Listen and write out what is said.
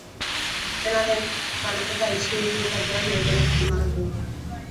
Dena den, banaketa adiskidetsua izatea nahi duela azpimarratu du.